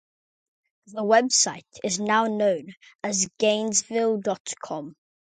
The website is now known as Gainesville dot com.